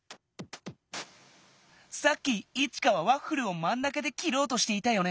さっきイチカはワッフルをまん中できろうとしていたよね。